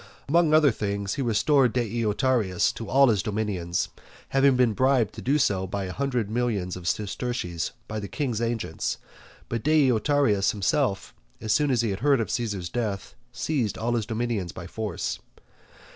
Among other things he restored Deiotarus to all his dominions, having been bribed to do so by a hundred millions of sesterces by the king's agents, but Deiotarus himself, as soon as he heard of Caesar's death, seized all his dominions by force.